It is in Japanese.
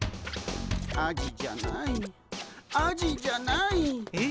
「アジじゃないアジじゃない」え？